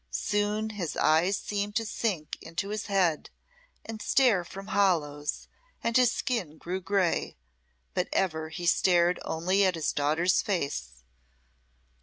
Soon his eyes seemed to sink into his head and stare from hollows, and his skin grew grey, but ever he stared only at his daughter's face.